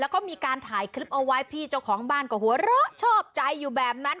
แล้วก็มีการถ่ายคลิปเอาไว้พี่เจ้าของบ้านก็หัวเราะชอบใจอยู่แบบนั้น